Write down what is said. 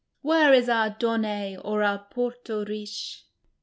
Where is our Donnay or our Porto Riche